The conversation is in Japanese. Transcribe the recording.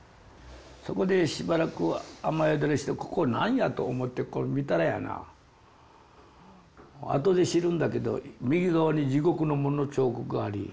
そこでしばらく雨宿りしてここ何やと思ってこう見たらやなあとで知るんだけど右側に「地獄の門」の彫刻あり。